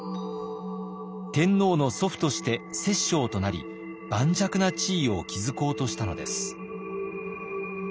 天皇の祖父として摂政となり盤石な地位を築こうとしたのです。